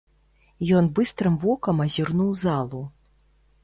Ён быстрым вокам азірнуў залу.